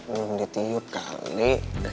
belum ditiup kali